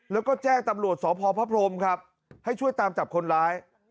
แล้วก็แจ้งตำรวจสพพระพรมครับให้ช่วยตามจับคนร้าย